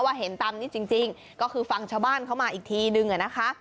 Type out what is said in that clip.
เห็นตามนี้จริงก็คือฟังชาวบ้านเขามาอีกทีนึงอะนะคะ